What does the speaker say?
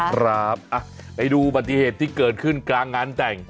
ครับไปดูอุบัติเหตุที่เกิดขึ้นกลางงานแต่ง